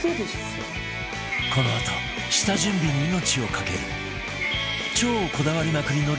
このあと下準備に命をかける超こだわりまくりの料理が明らかに！